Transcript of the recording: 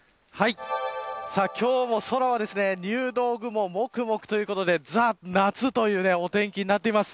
今日も空は入道雲もくもくということでザ・夏というお天気になっています。